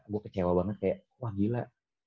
gue kecewa banget kayak wah gila